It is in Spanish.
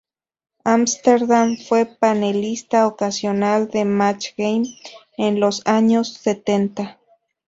Amsterdam fue panelista ocasional de "Match Game" en los años setenta.